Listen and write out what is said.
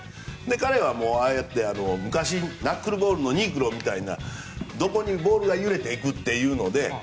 彼は、ああやって昔ナックルボールみたいにどこにボールが揺れていくっていうので。